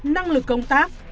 năng lực công tác